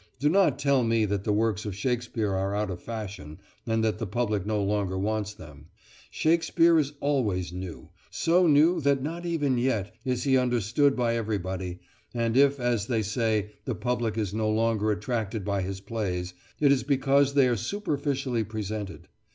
Do not tell me that the works of Shakespeare are out of fashion, and that the public no longer wants them. Shakespeare is always new so new that not even yet is he understood by everybody, and if, as they say, the public is no longer attracted by his plays, it is because they are superficially presented.